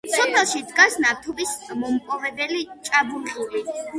სოფელში დგას ნავთობის მომპოვებელი ჭაბურღილი.